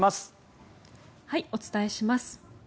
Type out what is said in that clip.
お伝えします。